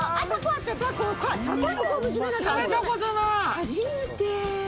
初めて。